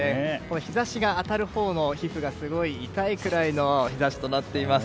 日差しが当たるほうの皮膚がすごい痛いくらいの日差しとなっています。